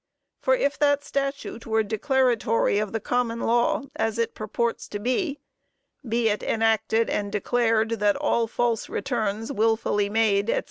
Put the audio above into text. For if that statute were declaratory of the common law, as it purports to be ['Be it enacted and declared that all false returns wilfully made' &c.